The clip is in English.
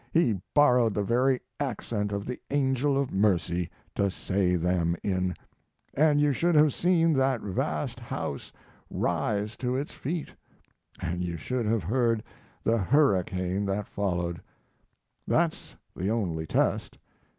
he borrowed the very accent of the angel of mercy to say them in, and you should have seen that vast house rise to its feet; and you should have heard the hurricane that followed. That's the only test!